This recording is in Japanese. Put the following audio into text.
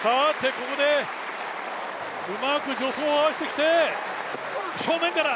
ここでうまく助走を合わせてきて、正面から！